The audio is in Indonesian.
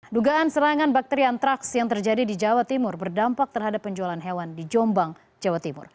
dugaan serangan bakteri antraks yang terjadi di jawa timur berdampak terhadap penjualan hewan di jombang jawa timur